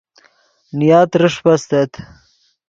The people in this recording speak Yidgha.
نیا ترݰپ استت